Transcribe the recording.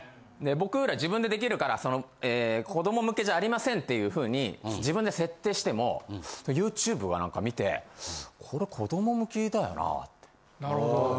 僕ら自分で出来るから子ども向けじゃありませんっていうふうに自分で設定してもＹｏｕＴｕｂｅがなんか見てこれ子ども向けだよな。なるほど。